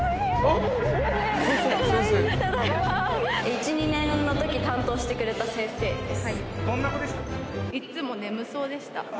１２年のとき担当してくれた先生です。